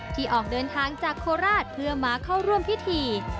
ที่ออกเดินทางจากโคราชเพื่อมาเข้าร่วมพิธี